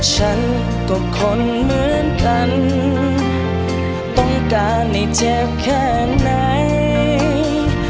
ฉันก็คนเหมือนกันต้องการให้เจ็บแค่ไหน